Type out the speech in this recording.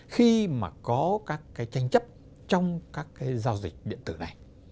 khi mà có các cái tranh chấp trong các cái giao dịch điện tử này